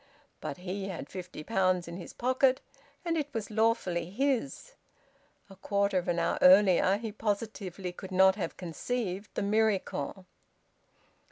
But he had fifty pounds in his pocket, and it was lawfully his. A quarter of an hour earlier he positively could not have conceived the miracle.